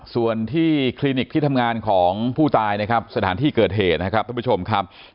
ส่วนที่คลินิกที่ทำงานของผู้ตายสถานที่เกิดเหตุทุกผู้ชมครับ